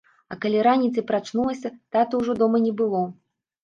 А калі раніцай прачнулася, таты ўжо дома не было.